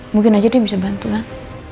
mungkin aja dia bisa bantuan